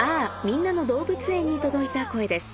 みんなの動物園』に届いた声です